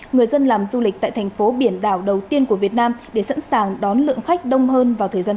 người dân làm du lịch tại thành phố biển đảo đầu tiên của việt nam để sẵn sàng đón lượng khách đông hơn vào thời gian tới